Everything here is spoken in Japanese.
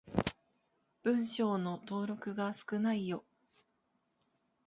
文章の登録が少ないよ。